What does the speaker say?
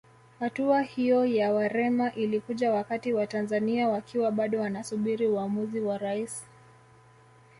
Hatua hiyo ya Werema ilikuja wakati Watanzania wakiwa bado wanasubiri uamuzi wa Rais